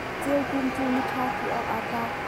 Ceukung cu miṭha ti awk a tlak.